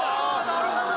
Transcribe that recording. なるほど！